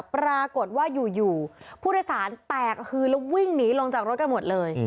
ปรากฏว่าอยู่ผู้โดยสารแตกฮือแล้ววิ่งหนีลงจากรถกันหมดเลย